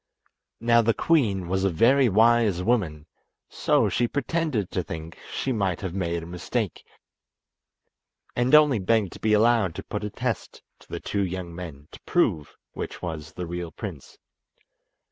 Now the queen was a very wise woman, so she pretended to think she might have made a mistake, and only begged to be allowed to put a test to the two young men to prove which was the real prince.